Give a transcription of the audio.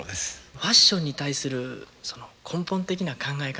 ファッションに対する根本的な考え方